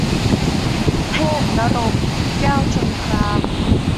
เทพณรงค์ แก้วชลคราม